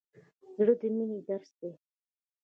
زړه د مینې درس دی.